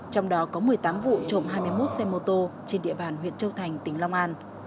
trong đó có một mươi tám vụ trộm hai mươi một xe mô tô trên địa bàn huyện châu thành tỉnh long an